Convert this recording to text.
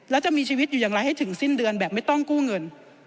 แล้วจะมีชีวิตอยู่อย่างไรให้ถึงสิ้นเดือนแบบไม่ต้องกู้เงิน